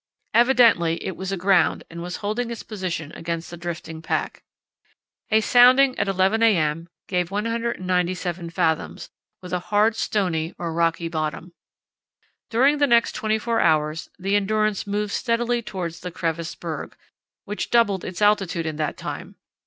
Evidently it was aground and was holding its position against the drifting pack. A sounding at 11 a.m. gave 197 fathoms, with a hard stony or rocky bottom. During the next twenty four hours the Endurance moved steadily towards the crevassed berg, which doubled its altitude in that time.